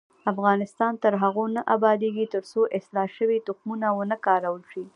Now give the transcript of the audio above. افغانستان تر هغو نه ابادیږي، ترڅو اصلاح شوي تخمونه ونه کارول شي.